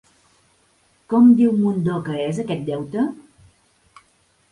Com diu Mundó que és aquest deute?